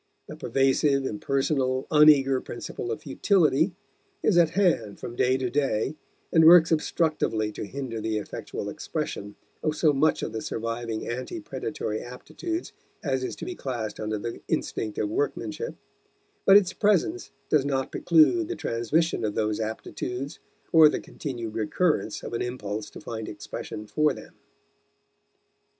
The pervasive, impersonal, un eager principle of futility is at hand from day to day and works obstructively to hinder the effectual expression of so much of the surviving ante predatory aptitudes as is to be classed under the instinct of workmanship; but its presence does not preclude the transmission of those aptitudes or the continued recurrence of an impulse to find expression for them.